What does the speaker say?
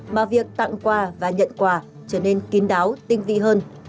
mà việc tặng quà và nhận quà trở nên kín đáo tinh vị hơn